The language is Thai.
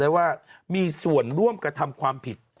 ว่ามีส่วนร่วมกระทำความผิด